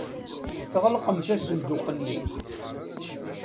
Tɣelqemt asenduq-nni.